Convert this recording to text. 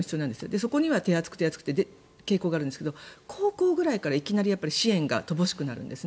そこには手厚く手厚くという傾向があるんですが高校ぐらいからいきなり支援が乏しくなるんです。